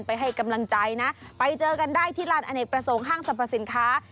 ให้กำลังใจนะไปเจอกันได้ที่ลานอเนกประสงค์ห้างสรรพสินค้า